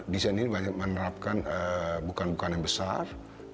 desain ini banyak menerapkan bukannya besar